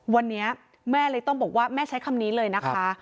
วันนี้แม่เลยต้องบอกว่าแม่ใช้คำนี้เลยนะคะ